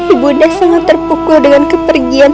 ibu saya sangat terpukul dengan kepergian